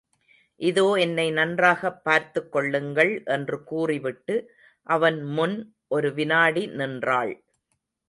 இதோ என்னை நன்றாகப் பார்த்துக் கொள்ளுங்கள் என்று கூறிவிட்டு அவன் முன் ஒரு விநாடி நின்றாள்.